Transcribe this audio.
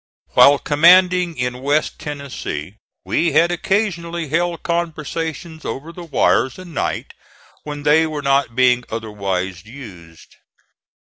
While commanding in West Tennessee we had occasionally held conversations over the wires, at night, when they were not being otherwise used.